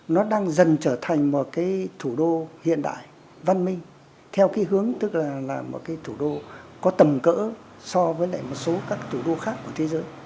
nó đang dần trở thành một cái thủ đô hiện đại văn minh theo cái hướng tức là một cái thủ đô có tầm cỡ so với lại một số các thủ đô khác của thế giới